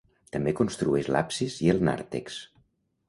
També construeix l’absis i el nàrtex.